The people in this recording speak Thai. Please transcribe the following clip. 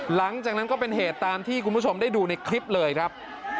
หลังจากนั้นก็เป็นเหตุตามที่คุณผู้ชมได้ดูในคลิปเลยครับ